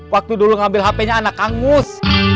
waktu dulu ngambil hp nya anak hangus